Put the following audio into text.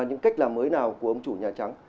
những cách làm mới nào của ông chủ nhà trắng